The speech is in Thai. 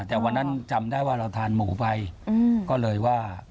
แต่วันนั้นจำได้ว่าเราทานหมูไปก็เลยว่า